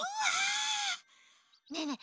ねえねえ